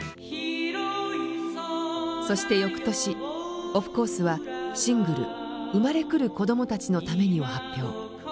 そして翌年オフコースはシングル「生まれ来る子供たちのために」を発表。